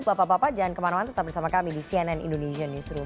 bapak bapak jangan kemana mana tetap bersama kami di cnn indonesian newsroom